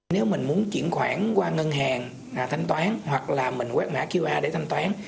nếu mình muốn chuyển khoản qua ngân hàng thanh toán hoặc là mình quét mã qr để thanh toán